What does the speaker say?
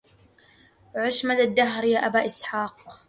عش مدى الدهر يا أبا إسحاق